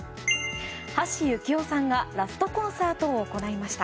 橋幸夫さんがラストコンサートを行いました。